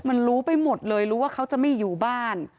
มันรู้ไปหมดเลยรู้ว่าเขาจะไม่อยู่บ้าน